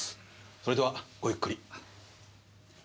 それではごゆっくり。